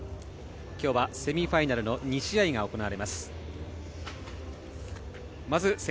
今日はセミファイナルの２試合が行われます。